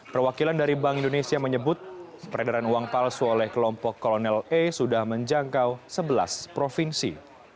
perwakilan dari bank indonesia menyebut peredaran uang palsu oleh kelompok kolonel e sudah menjangkau sebelas provinsi